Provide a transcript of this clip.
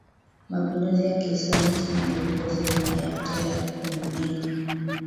mapinduzi ya Kiislamu chini ya uongozi wa Ayatollah Khomeini